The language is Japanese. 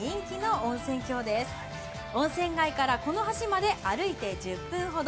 温泉街からこの橋まで歩いて１０分ほど。